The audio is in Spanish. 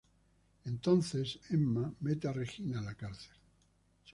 Entonces Emma mete a Regina en la cárcel.